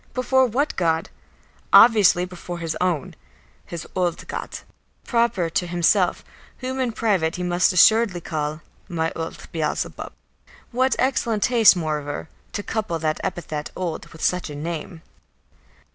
Before what God? Obviously before his own, "his old God," proper to himself, whom in private he must assuredly call, "my old Beelzebub." What excellent taste, moreover, to couple that epithet "old" with such a name!